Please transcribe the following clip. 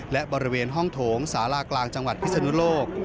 และบริเวณห้องโถงสารากลางจังหวัดพิศนุโลก